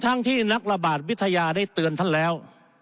ทั้งที่นักระบาดวิทยาได้เตือนท่านแล้ว